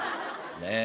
ねえ。